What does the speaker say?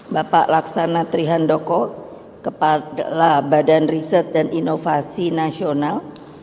bapak laksana trihandoko kepala badan riset dan inovasi nasional